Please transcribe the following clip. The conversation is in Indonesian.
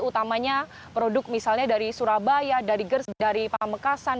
utamanya produk misalnya dari surabaya dari gers dari pamekasan